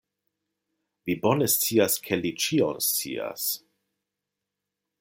Vi bone scias, ke li ĉion scias.